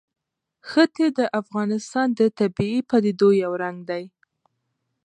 ښتې د افغانستان د طبیعي پدیدو یو رنګ دی.